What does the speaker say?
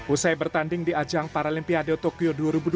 usai bertanding di ajang paralimpiade tokyo dua ribu dua puluh